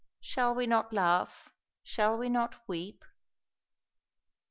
"Shall we not laugh, shall we not weep?"